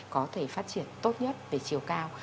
có thể phát triển tốt nhất về chiều cao